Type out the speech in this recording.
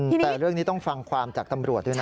แต่เรื่องนี้ต้องฟังความจากตำรวจด้วยนะ